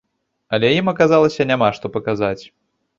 Але ім аказалася няма што паказаць.